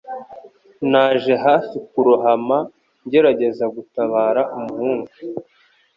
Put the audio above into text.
Naje hafi kurohama, ngerageza gutabara umuhungu.